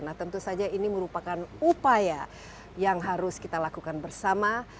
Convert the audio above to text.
nah tentu saja ini merupakan upaya yang harus kita lakukan bersama